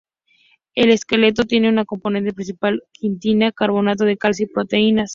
El exoesqueleto tiene como componentes principales quitina, carbonato de calcio y proteínas.